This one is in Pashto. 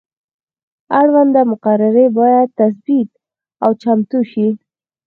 اړونده مقررې باید تثبیت او چمتو شي.